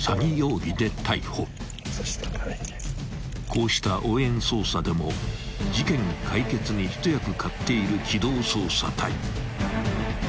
［こうした応援捜査でも事件解決に一役買っている機動捜査隊］